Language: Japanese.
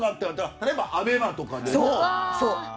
例えばＡＢＥＭＡとかでも。